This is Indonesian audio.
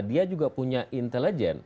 dia juga punya intelijen